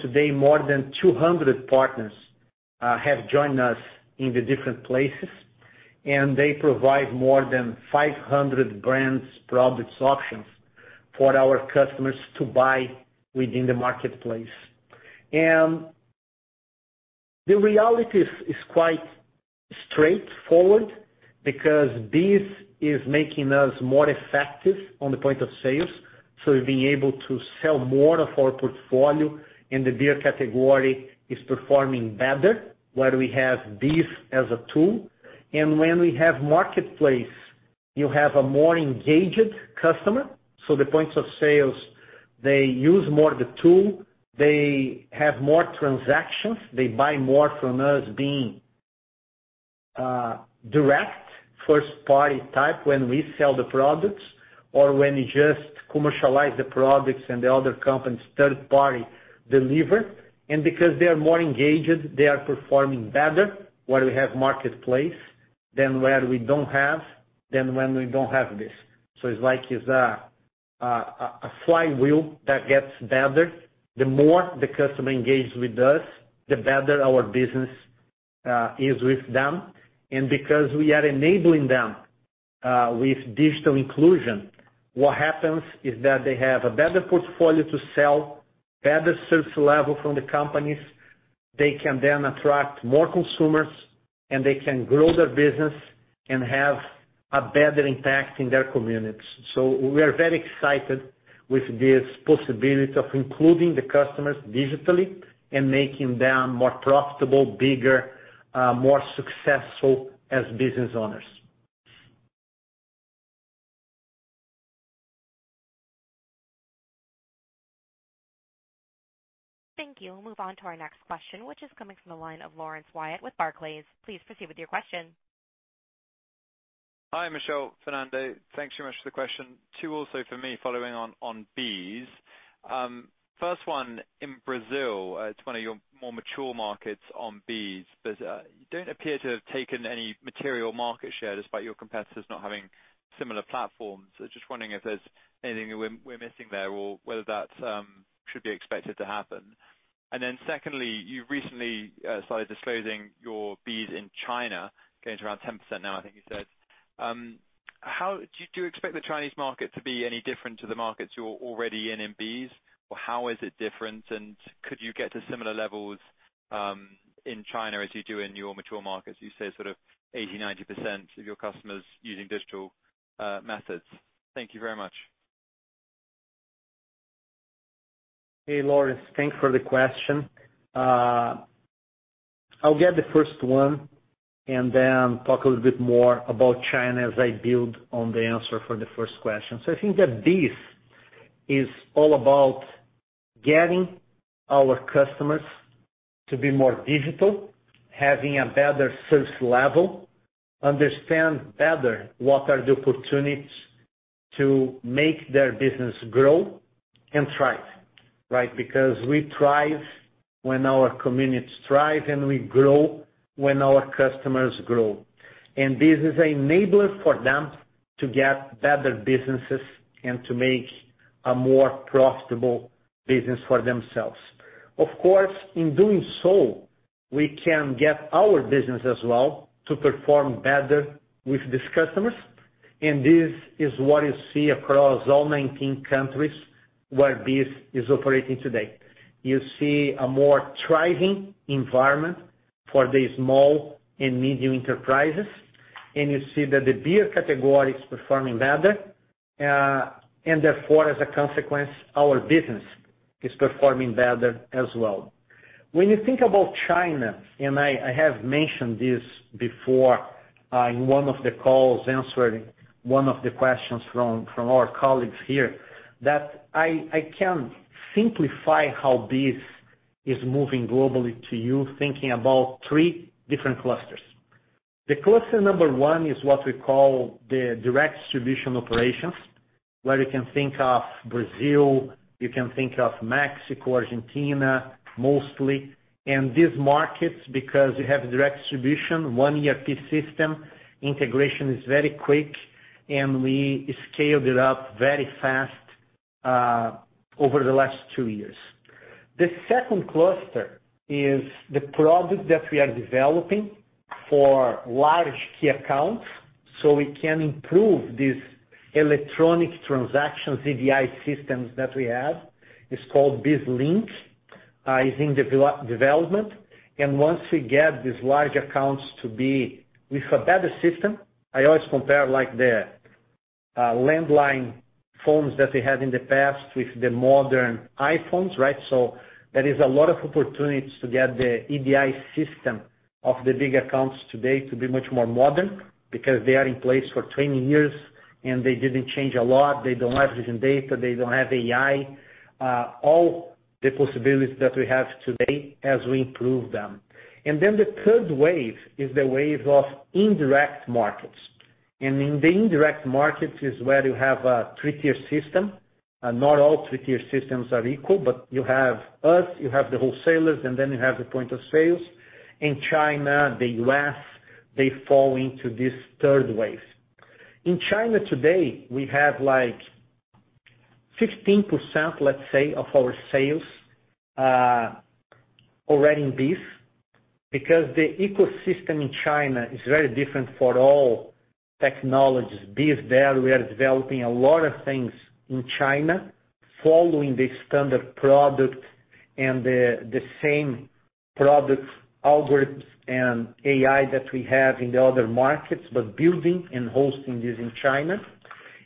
Today, more than 200 partners have joined us in the different places, and they provide more than 500 brands, products, options for our customers to buy within the Marketplace. The reality is quite straightforward because this is making us more effective on the point of sales. We're being able to sell more of our portfolio, and the beer category is performing better where we have this as a tool. When we have marketplace, you have a more engaged customer. The points of sales, they use more of the tool, they have more transactions, they buy more from us being direct first party type when we sell the products or when you just commercialize the products and the other company's third party delivery. Because they are more engaged, they are performing better where we have marketplace than when we don't have this. It's like it's a flywheel that gets better. The more the customer engages with us, the better our business is with them. Because we are enabling them with digital inclusion, what happens is that they have a better portfolio to sell, better service level from the companies. They can then attract more consumers, and they can grow their business and have a better impact in their communities. We are very excited with this possibility of including the customers digitally and making them more profitable, bigger, more successful as business owners. Thank you. We'll move on to our next question, which is coming from the line of Laurence Whyatt with Barclays. Please proceed with your question. Hi, Michel, Fernando. Thanks so much for the question. Two also for me, following on BEES. First one, in Brazil, it's one of your more mature markets on BEES, but you don't appear to have taken any material market share despite your competitors not having similar platforms. Just wondering if there's anything we're missing there or whether that should be expected to happen. Then secondly, you recently started disclosing your BEES in China, going to around 10% now, I think you said. How do you expect the Chinese market to be any different to the markets you're already in BEES? Or how is it different? And could you get to similar levels in China as you do in your mature markets? You say sort of 80-90% of your customers using digital methods. Thank you very much. Hey, Laurence, thanks for the question. I'll get the first one and then talk a little bit more about China as I build on the answer for the first question. I think that this is all about getting our customers to be more digital, having a better service level, understand better what are the opportunities to make their business grow and thrive, right? Because we thrive when our communities thrive, and we grow when our customers grow. This is enabling for them to get better businesses and to make a more profitable business for themselves. Of course, in doing so, we can get our business as well to perform better with these customers, and this is what you see across all 19 countries where this is operating today. You see a more thriving environment for the small and medium enterprises, and you see that the beer category is performing better. Therefore, as a consequence, our business is performing better as well. When you think about China, and I have mentioned this before, in one of the calls, answering one of the questions from our colleagues here, that I can simplify how this is moving globally to you, thinking about three different clusters. The cluster number one is what we call the direct distribution operations, where you can think of Brazil, you can think of Mexico, Argentina, mostly. These markets, because you have direct distribution, one ERP system, integration is very quick, and we scaled it up very fast, over the last two years. The second cluster is the product that we are developing for large key accounts, so we can improve this electronic transaction, EDI systems that we have. It's called BizLink, is in development. Once we get these large accounts to be with a better system, I always compare like the landline phones that we had in the past with the modern iPhones, right? There is a lot of opportunities to get the EDI system of the big accounts today to be much more modern because they are in place for 20 years and they didn't change a lot. They don't have visibility data, they don't have AI. All the possibilities that we have today as we improve them. The third wave is the wave of indirect markets. In the indirect markets is where you have a three-tier system. Not all three-tier systems are equal, but you have us, you have the wholesalers, and then you have the point of sales. In China, the U.S., they fall into this third wave. In China today, we have like 16%, let's say, of our sales already in BEES because the ecosystem in China is very different for all technologies. BEES there, we are developing a lot of things in China following the standard product and the same product algorithms and AI that we have in the other markets, but building and hosting this in China.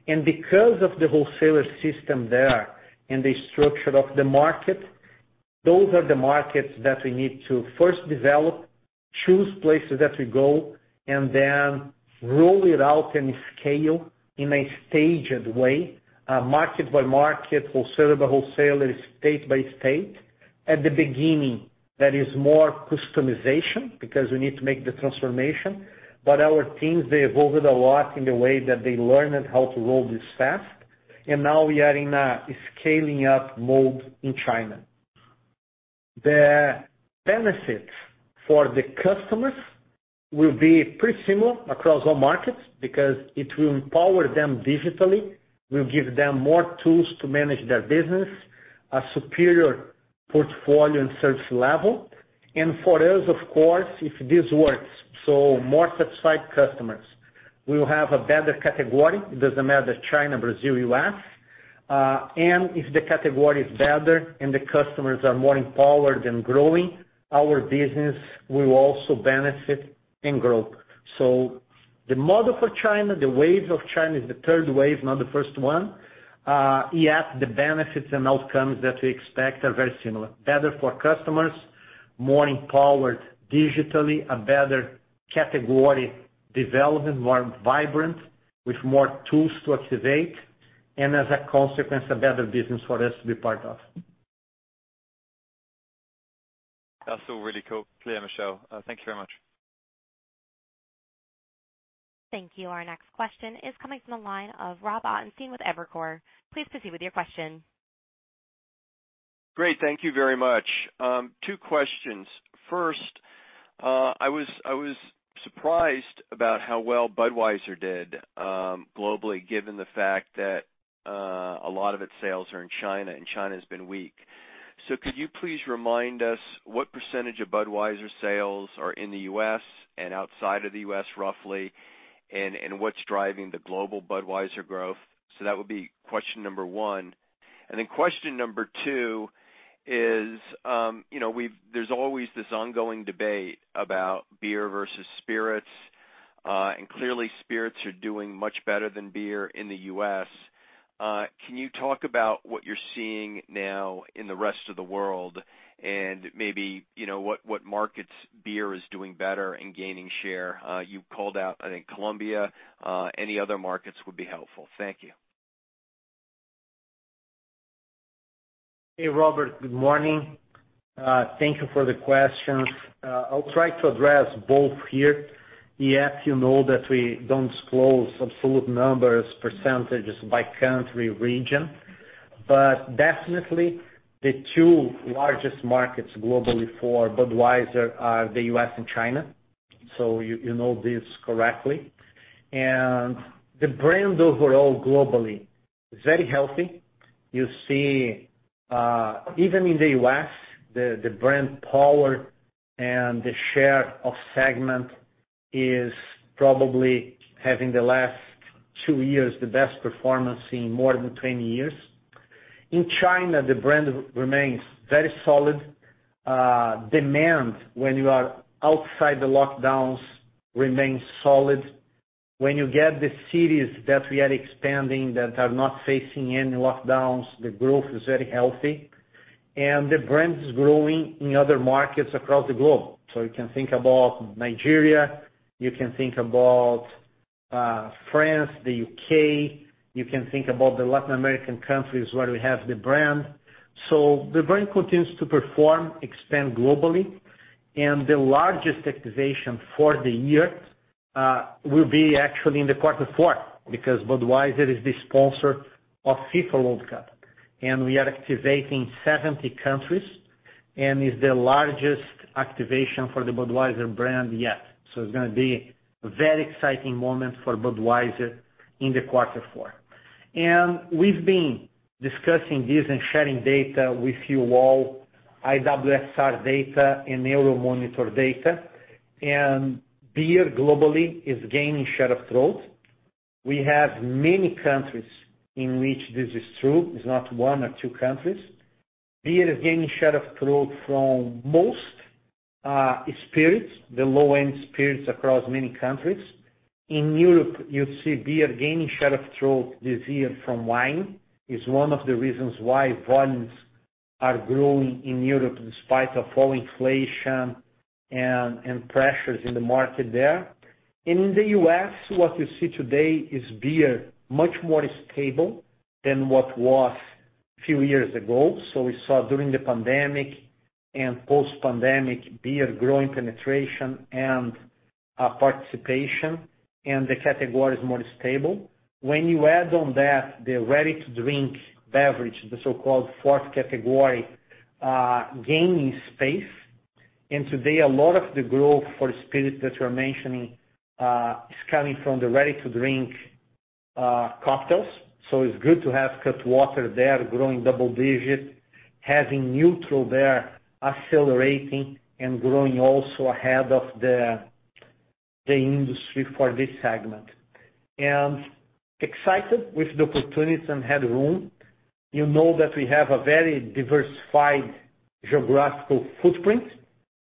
Because of the wholesaler system there and the structure of the market, those are the markets that we need to first develop, choose places that we go, and then roll it out and scale in a staged way, market by market, wholesaler by wholesaler, state by state. At the beginning, that is more customization because we need to make the transformation. Our teams, they evolved a lot in the way that they learn and how to roll this fast. Now we are in a scaling up mode in China. The benefits for the customers will be pretty similar across all markets because it will empower them digitally. We'll give them more tools to manage their business, a superior portfolio and service level. For us, of course, if this works, so more satisfied customers, we will have a better category. It doesn't matter China, Brazil, U.S. If the category is better and the customers are more empowered and growing, our business will also benefit and grow. The model for China, the wave of China is the third wave, not the first one. Yet the benefits and outcomes that we expect are very similar. Better for customers, more empowered digitally, a better category development, more vibrant, with more tools to activate, and as a consequence, a better business for us to be part of. That's all really cool. Clear, Michel. Thank you very much. Thank you. Our next question is coming from the line of Robert Ottenstein with Evercore. Please proceed with your question. Great. Thank you very much. Two questions. First, I was surprised about how well Budweiser did globally, given the fact that a lot of its sales are in China, and China has been weak. Could you please remind us what percentage of Budweiser sales are in the U.S. and outside of the U.S.., roughly? And what's driving the global Budweiser growth? That would be question number one. Question number two is, you know, there's always this ongoing debate about beer versus spirits. Clearly, spirits are doing much better than beer in the U.S.. Can you talk about what you're seeing now in the rest of the world and maybe, you know, what markets beer is doing better and gaining share? You called out, I think, Colombia. Any other markets would be helpful. Thank you. Hey, Robert. Good morning. Thank you for the questions. I'll try to address both here. Yes, you know that we don't disclose absolute numbers, percentages by country, region. Definitely the two largest markets globally for Budweiser are the U.S. and China. You know this correctly. The brand overall globally, very healthy. You see, even in the U.S., the brand power and the share of segment is probably having the last two years, the best performance in more than 20 years. In China, the brand remains very solid. Demand, when you are outside the lockdowns, remains solid. When you get the cities that we are expanding that are not facing any lockdowns, the growth is very healthy. The brand is growing in other markets across the globe. You can think about Nigeria. You can think about France, the U.K.. You can think about the Latin American countries where we have the brand. The brand continues to perform, expand globally. The largest activation for the year will be actually in the quarter four, because Budweiser is the sponsor of FIFA World Cup, and we are activating 70 countries, and it's the largest activation for the Budweiser brand yet. It's gonna be a very exciting moment for Budweiser in the quarter four. We've been discussing this and sharing data with you all, IWSR data and Euromonitor data. Beer globally is gaining share of throat. We have many countries in which this is true. It's not one or two countries. Beer is gaining share of throat from most spirits, the low-end spirits across many countries. In Europe, you see beer gaining share of throat this year from wine. It's one of the reasons why volumes are growing in Europe despite of all inflation and pressures in the market there. In the U.S., what you see today is beer much more stable than what was a few years ago. We saw during the pandemic and post-pandemic beer growing penetration and participation, and the category is more stable. When you add on that the ready-to-drink beverage, the so-called fourth category, gaining space. Today a lot of the growth for spirit that you're mentioning is coming from the ready-to-drink cocktails. It's good to have Cutwater there growing double digits, having NÜTRL there accelerating and growing also ahead of the industry for this segment. Excited with the opportunities and headroom. You know that we have a very diversified geographical footprint.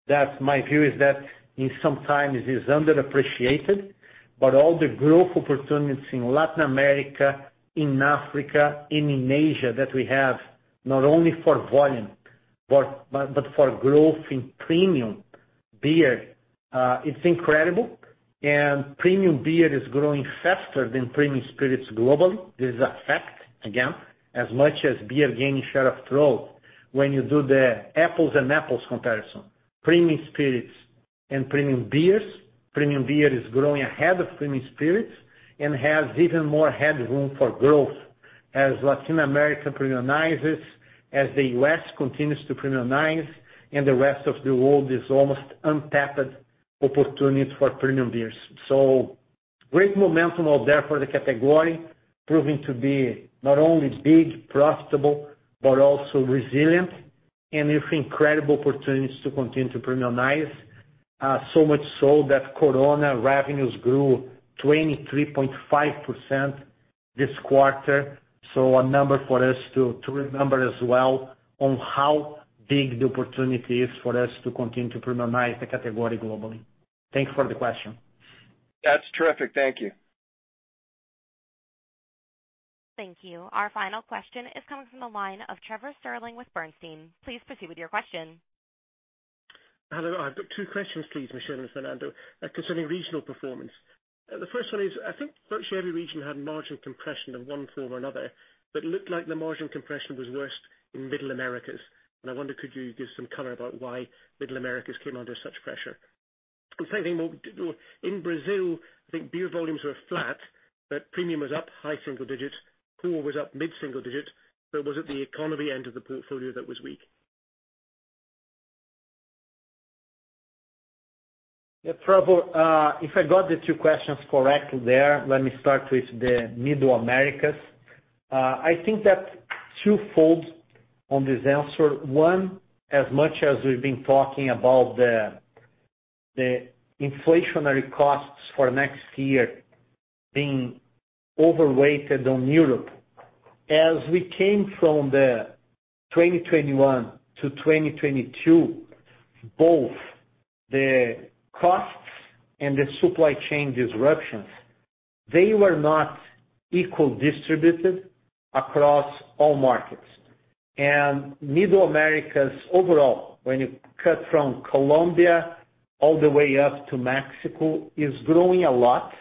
That's my view, is that it sometimes is underappreciated. All the growth opportunities in Latin America, in Africa, in Asia that we have not only for volume, but for growth in premium beer, it's incredible. Premium beer is growing faster than premium spirits globally. This is a fact, again, as much as beer gaining share of throat when you do the apples and apples comparison. Premium spirits and premium beers. Premium beer is growing ahead of premium spirits and has even more headroom for growth as Latin America premiumizes, as the U.S. continues to premiumize, and the rest of the world is almost untapped opportunities for premium beers. Great momentum out there for the category, proving to be not only big, profitable, but also resilient and with incredible opportunities to continue to premiumize. So much so that Corona revenues grew 23.5% this quarter. A number for us to remember as well on how big the opportunity is for us to continue to premiumize the category globally. Thank you for the question. That's terrific. Thank you. Thank you. Our final question is coming from the line of Trevor Stirling with Bernstein. Please proceed with your question. Hello. I've got two questions, please, Michel and Fernando, concerning regional performance. The first one is, I think virtually every region had margin compression of one form or another, but looked like the margin compression was worst in Middle Americas. I wonder, could you give some color about why Middle Americas came under such pressure? The same thing in Brazil, I think beer volumes were flat, but premium was up high single digits. Core was up mid-single digits. Was it the economy end of the portfolio that was weak? Yeah, Trevor, if I got the two questions correct there, let me start with the Middle Americas. I think that's two-fold on this answer. One, as much as we've been talking about the inflationary costs for next year being overweighted on Europe, as we came from the 2021 to 2022, both the costs and the supply chain disruptions, they were not equally distributed across all markets. Middle Americas overall, when you go from Colombia all the way up to Mexico, is growing a lot.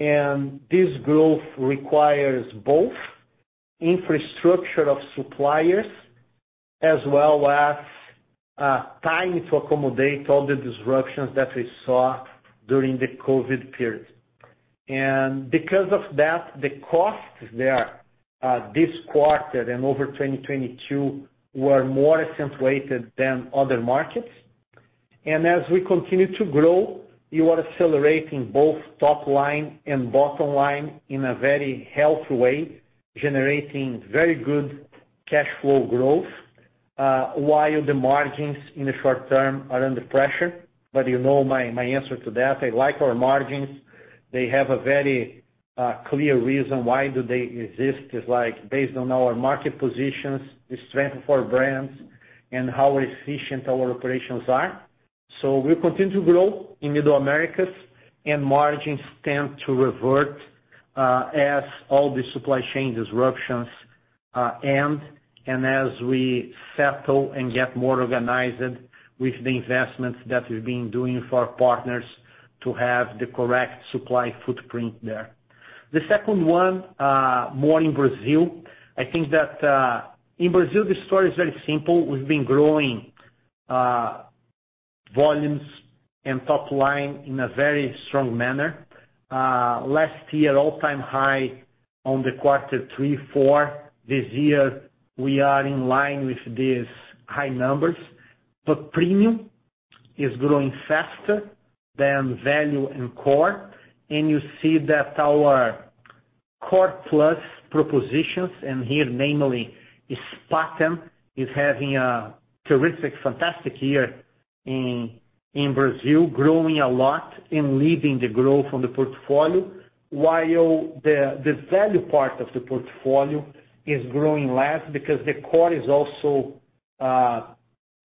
This growth requires both infrastructure of suppliers as well as time to accommodate all the disruptions that we saw during the COVID period. Because of that, the costs there, this quarter and over 2022 were more accentuated than other markets. As we continue to grow, you are accelerating both top line and bottom line in a very healthy way, generating very good cash flow growth, while the margins in the short term are under pressure. You know my answer to that. I like our margins. They have a very clear reason why do they exist. It's like based on our market positions, the strength of our brands, and how efficient our operations are. We continue to grow in Middle Americas, and margins tend to revert, as all the supply chain disruptions end and as we settle and get more organized with the investments that we've been doing for our partners to have the correct supply footprint there. The second one, more in Brazil. I think that in Brazil, the story is very simple. We've been growing volumes and top line in a very strong manner. Last year, all-time high on the Q3, Q4. This year we are in line with these high numbers. Premium is growing faster than value and core. You see that our core plus propositions, and here namely Spaten, is having a terrific, fantastic year in Brazil, growing a lot and leading the growth on the portfolio. The value part of the portfolio is growing less because the core is also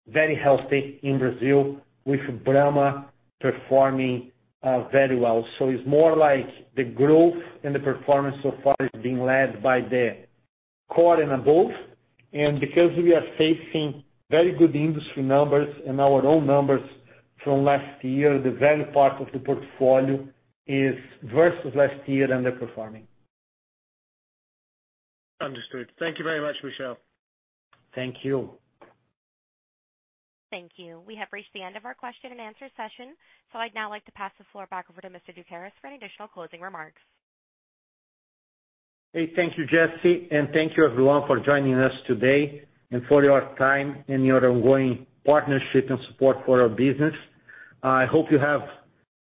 very healthy in Brazil with Brahma performing very well. It's more like the growth and the performance so far is being led by the core and above. Because we are facing very good industry numbers and our own numbers from last year, the value part of the portfolio is versus last year underperforming. Understood. Thank you very much, Michel. Thank you. Thank you. We have reached the end of our question and answer session. I'd now like to pass the floor back over to Mr. Doukeris for any additional closing remarks. Hey, thank you, Jesse, and thank you everyone for joining us today and for your time and your ongoing partnership and support for our business. I hope you have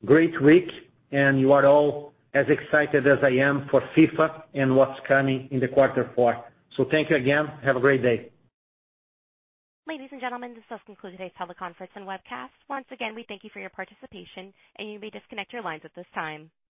great week, and you are all as excited as I am for FIFA and what's coming in the quarter four. Thank you again. Have a great day. Ladies and gentlemen, this does conclude today's teleconference and webcast. Once again, we thank you for your participation, and you may disconnect your lines at this time.